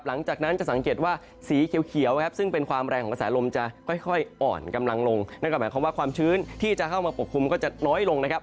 หลังจากนั้นจะสังเกตว่าสีเขียวนะครับซึ่งเป็นความแรงของกระแสลมจะค่อยอ่อนกำลังลงนั่นก็หมายความว่าความชื้นที่จะเข้ามาปกคลุมก็จะน้อยลงนะครับ